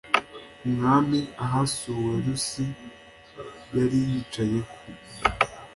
umwami ahasuwerusi yari yicaye ku